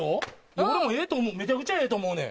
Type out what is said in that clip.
俺もええと思うめちゃくちゃええと思うねん。